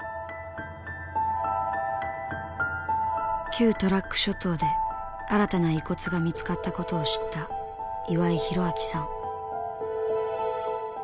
旧トラック諸島で新たな遺骨が見つかったことを知った岩井弘明さん。